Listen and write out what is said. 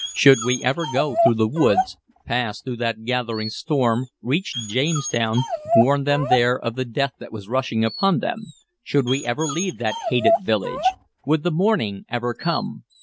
Should we ever go through the woods, pass through that gathering storm, reach Jamestown, warn them there of the death that was rushing upon them? Should we ever leave that hated village? Would the morning ever come?